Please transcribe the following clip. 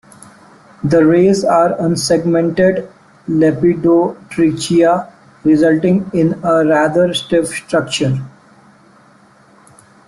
The rays are unsegmented lepidotrichia, resulting in a rather stiff structure.